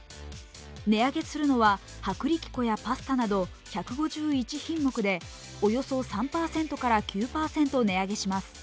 値上げするのは薄力粉やパスタなど１２１品目でおよそ３％から９％値上げします。